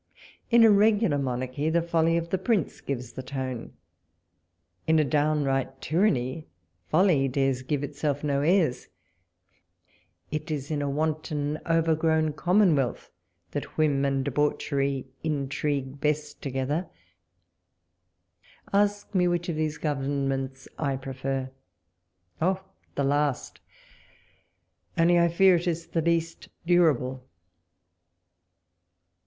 In a regular monarchy the folly of the Prince gives the tone ; in a downright tyranny, folly dares give itself no airs ; it is in a wanton overgrown commonwealth that whim and debauchery intrigue best to walpole's letters. 67 gether. Ask me which of these governments I prefer— oh ! the last— only I fear it is the least durable.